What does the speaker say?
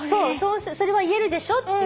それは言えるでしょって言って。